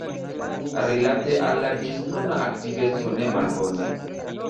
Rilate al la ĝisnuna aktiveco, ne malbone.